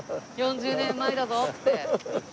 ４０年前だぞっつって。